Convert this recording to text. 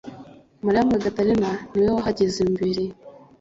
Mariya Magadarena ni we wahageze mbere;